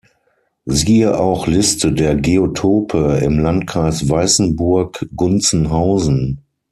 Siehe auch Liste der Geotope im Landkreis Weißenburg-Gunzenhausen.